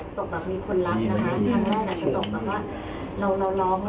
ตกแบบมีคนรักนะคะครั้งแรกอาจจะตกแบบว่าเราร้องแล้ว